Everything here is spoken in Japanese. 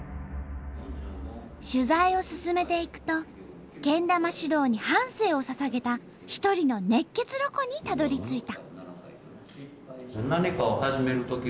取材を進めていくとけん玉指導に半生をささげた一人の熱血ロコにたどりついた。